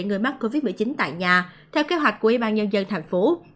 người mắc covid một mươi chín tại nhà theo kế hoạch của yên bàn nhân dân thành phố